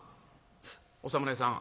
「お侍さん